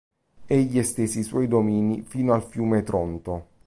Egli estese i suoi domini fino al fiume Tronto.